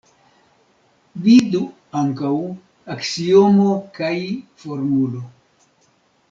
Vidu ankaŭ: Aksiomo Kai Formulo.